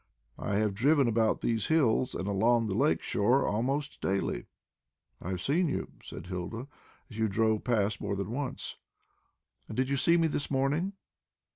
I have driven about these hills and along the lake shore almost daily." "I have seen you," said Hilda, "as you drove past more than once." "And did you see me this morning?"